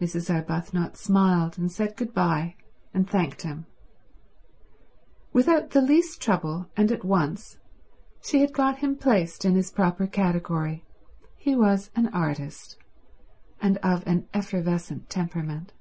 Mrs. Arbuthnot smiled and said good bye and thanked him. Without the least trouble and at once she had got him placed in his proper category: he was an artist and of an effervescent temperament.